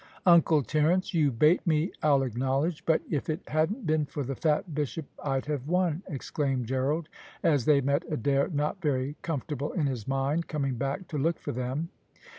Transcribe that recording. "Uncle Terence, you bate me, I'll acknowledge, but if it hadn't been for the fat bishop I'd have won," exclaimed Gerald, as they met Adair not very comfortable in his mind, coming back to look for them.